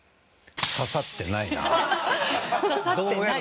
刺さってない？